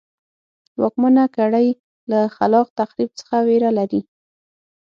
واکمنه کړۍ له خلاق تخریب څخه وېره لري.